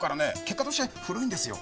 結果として古いんですよ。